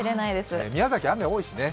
宮崎、雨多いしね。